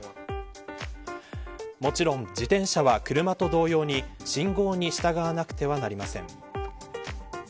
もちろん自転車は、車と同様に信号に従わなくてはなりません。